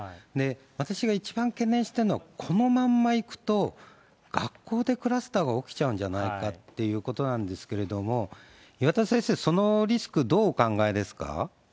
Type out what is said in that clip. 私が一番懸念してるのは、このまんまいくと、学校でクラスターが起きちゃうんじゃないかということなんですけれども、岩田先生、そのリスク、どうお考えですか？